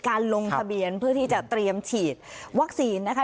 ลงทะเบียนเพื่อที่จะเตรียมฉีดวัคซีนนะคะ